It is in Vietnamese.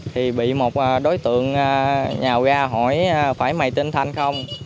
thì bị một đối tượng nhào ra hỏi phải mày tin thanh không